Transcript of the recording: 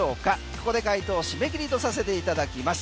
ここで解答締め切りとさせていただきます。